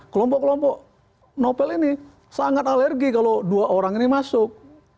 kelompok kelompok novel ini sangat alergi kalau dua orang ini masuk